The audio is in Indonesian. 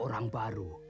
tuhan yang menjaga kita